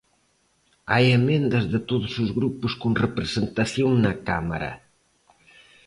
Hai emendas de todos os grupos con representación na Cámara.